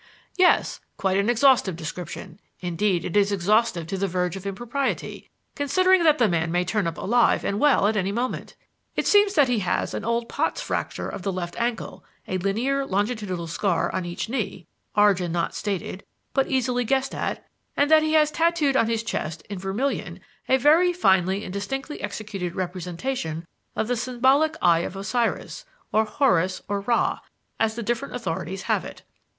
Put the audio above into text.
"Yes; quite an exhaustive description. Indeed, it is exhaustive to the verge of impropriety, considering that the man may turn up alive and well at any moment. It seems that he has an old Pott's fracture of the left ankle, a linear, longitudinal scar on each knee origin not stated, but easily guessed at and that he has tattooed on his chest in vermilion a very finely and distinctly executed representation of the symbolical Eye of Osiris or Horus or Ra, as the different authorities have it.